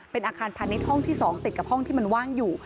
เป็นอาคารพาณิชย์ห้องที่๒ติดกับห้องที่มันว่างอยู่